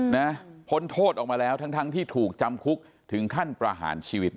พ้นโทษออกมาแล้วทั้งทั้งที่ถูกจำคุกถึงขั้นประหารชีวิต